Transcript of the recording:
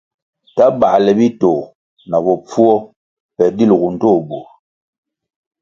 Ta bāle bitoh na bopfuo pe dilʼgu ndtoh bur.